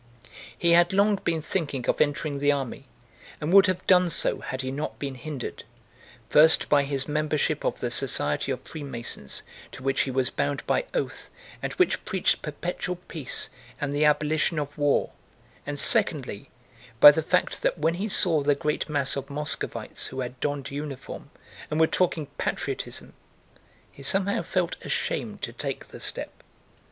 He had long been thinking of entering the army and would have done so had he not been hindered, first, by his membership of the Society of Freemasons to which he was bound by oath and which preached perpetual peace and the abolition of war, and secondly, by the fact that when he saw the great mass of Muscovites who had donned uniform and were talking patriotism, he somehow felt ashamed to take the step.